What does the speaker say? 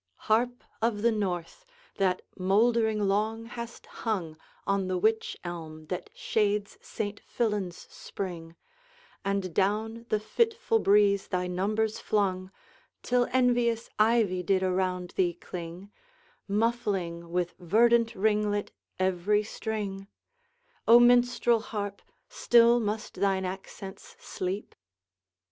Harp of the North! that mouldering long hast hung On the witch elm that shades Saint Fillan's spring And down the fitful breeze thy numbers flung, Till envious ivy did around thee cling, Muffling with verdant ringlet every string, O Minstrel Harp, still must thine accents sleep?